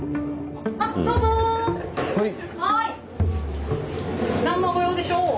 はい。